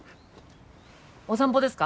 お散歩ですか？